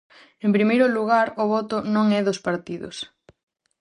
En primeiro lugar, o voto non é dos partidos.